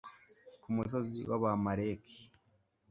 ku musozi w'abamaleki